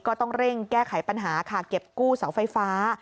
ก็ต้องเร่งแก้ไขปัญหาค่ะเก็บกู้เสาไฟฟ้า